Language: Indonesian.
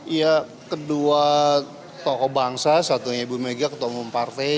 iya kedua tokoh bangsa satunya ibu mega ketua umum partai